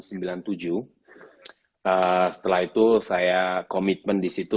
setelah itu saya komitmen disitu